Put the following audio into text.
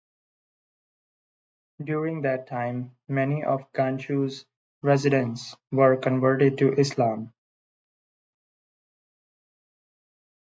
During that time, many of Gansu's residents were converted to Islam.